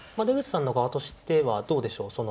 出口さんの側としてはどうでしょう